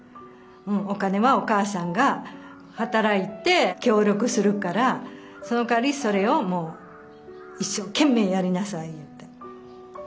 お金はお母さんが働いて協力するからそのかわりそれをもう一生懸命やりなさいって。